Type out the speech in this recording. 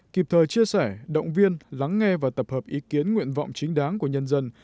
kịp thời chia sẻ động viên lắng nghe và tập hợp ý kiến nguyện vọng chính đáng của nhân dân